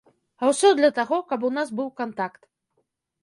А ўсё для таго, каб у нас быў кантакт.